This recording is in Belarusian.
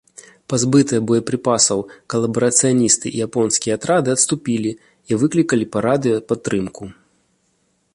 Пазбытыя боепрыпасаў калабарацыяністы і японскія атрады адступілі і выклікалі па радыё падтрымку.